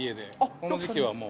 この時期はもう。